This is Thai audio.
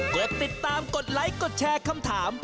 กดติดตามกดไลค์กดแชร์คำถาม